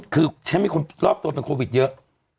คือฉันมีคนรอบตัวเป็นโควิดเยอะ